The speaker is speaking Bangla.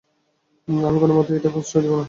আমি কোনোমতেই এতে প্রশ্রয় দেব না।